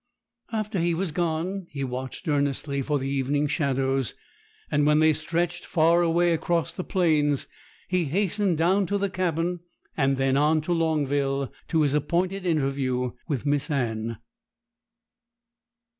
After he was gone he watched earnestly for the evening shadows, and when they stretched far away across the plains, he hastened down to the cabin, and then on to Longville, to his appointed interview with Miss Anne.